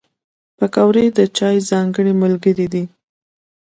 پکورې د چای ځانګړی ملګری دی